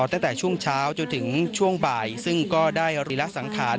ตั้งแต่ช่วงเช้าจนถึงช่วงบ่ายซึ่งก็ได้รีระสังขาร